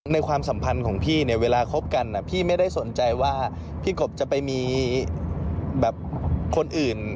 ความสัมพันธ์ของพี่เนี่ยเวลาคบกันพี่ไม่ได้สนใจว่าพี่กบจะไปมีแบบคนอื่น